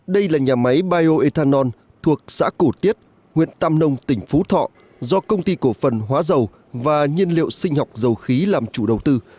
đây là nhà máy bio ethanol thuộc xã cổ tiết huyện tam nông tỉnh phú thọ do công ty cổ phần hóa dầu và nhiên liệu sinh học dầu khí làm chủ đầu tư